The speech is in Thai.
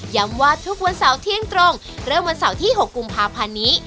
ว่าทุกวันเสาร์เที่ยงตรงเริ่มวันเสาร์ที่๖กุมภาพันธ์นี้